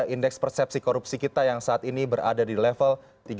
indeks persepsi korupsi kita yang saat ini berada di level tiga